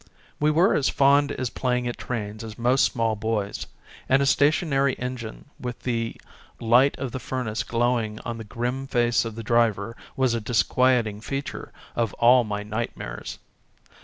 We were as fond of playing at trains as most small boys, and a stationary engine with the light of the furnace glowing on the grim face of the driver was a disquieting feature of all my nightmares.